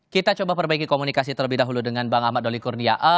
kita coba perbaiki komunikasi terlebih dahulu dengan bang ahmad doli kurnia